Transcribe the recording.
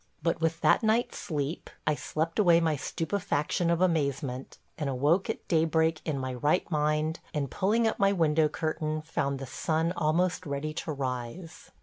But with that night's sleep I slept away my stupefaction of amazement, and awoke at daybreak in my right mind, and, pulling up my window curtain, found the sun almost ready to rise.